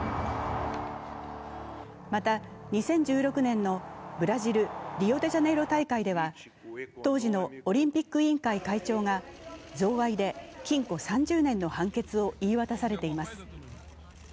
また、２０１６年のブラジル・リオデジャネイロ大会では当時のオリンピック委員会会長が贈賄で禁錮３０年の判決を言い渡されています。